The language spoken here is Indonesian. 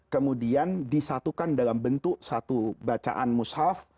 kemudian disatukan dalam bentuk satu bacaan mushaf